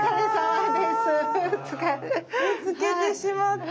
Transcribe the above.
みつけてしまって。